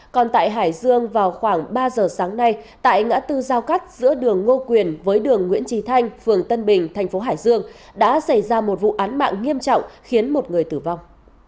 còn tại hải dương vào khoảng ba giờ sáng nay tại ngã tư giao cắt giữa đường ngô quyền với đường nguyễn trí thanh phường tân bình thành phố hải dương đã xảy ra một vụ án mạng nghiêm trọng khiến một người tử vong